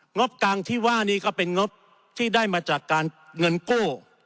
บกลางที่ว่านี้ก็เป็นงบที่ได้มาจากการเงินกู้